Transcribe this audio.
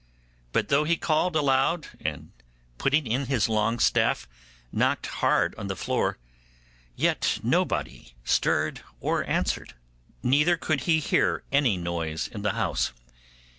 But though he called aloud, and putting in his long staff, knocked hard on the floor, yet nobody stirred or answered; neither could he hear any noise in the house.